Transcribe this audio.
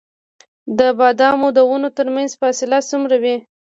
د بادامو د ونو ترمنځ فاصله څومره وي؟